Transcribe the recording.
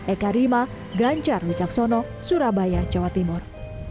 eka rima ganjar wicaksono surabaya jawa timur